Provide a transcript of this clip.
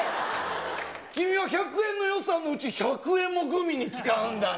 君は１００円の予算のうち、１００円もグミに使うんだね？